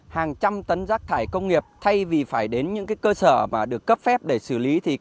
hàng trăm tấn rác thải công nghiệp thay vì phải đến những cơ sở được cấp phép để xử lý